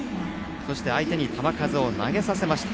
そして相手に球数を投げさせました。